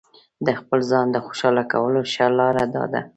د خپل ځان د خوشاله کولو ښه لاره داده.